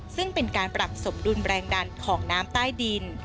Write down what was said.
ซึ่งเป็นการปรับสมดุลแรงดันของน้ำใต้ดิน